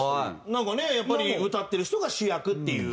なんかねやっぱり歌ってる人が主役っていう。